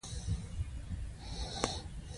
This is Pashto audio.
که حاکم یو حق وانه خلي.